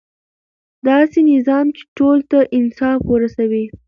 داسې نظام چې ټولو ته انصاف ورسوي.